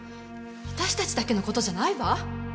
私たちだけの事じゃないわ。